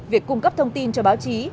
việc cung cấp thông tin cho báo chí